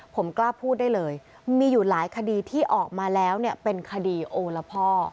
ผมกล้าพูดได้เลยมีอยู่หลายคดีที่ออกมาแล้วเนี่ยเป็นคดีโอละพ่อ